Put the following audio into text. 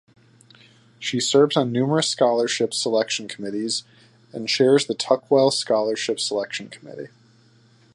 She serves on numerous scholarship selection committees and chairs the Tuckwell Scholarship Selection Committee.